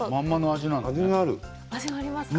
味がありますか？